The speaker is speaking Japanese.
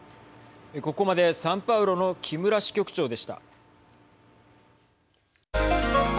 ここまで、サンパウロの木村支局長でした。